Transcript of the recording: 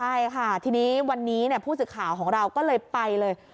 ใช่ค่ะทีนี้วันนี้ผู้สื่อข่าวของเราก็เลยไปเลย